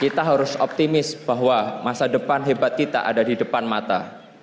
kita harus optimis bahwa masa depan hebat kita ada di depan mata